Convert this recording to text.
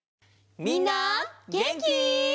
みんなげんき？